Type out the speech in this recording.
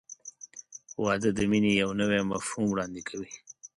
• واده د مینې یو نوی مفهوم وړاندې کوي.